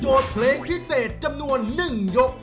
โจทย์เพลงพิเศษจำนวน๑ยก